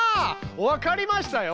わかりましたよ。